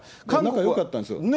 仲はよかったんですよ。